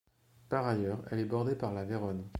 Par ailleurs, elle est bordée par la Véronne.